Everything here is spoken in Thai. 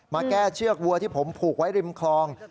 มาแก้เชือกวัวที่ผมผูกไว้ริมคลอง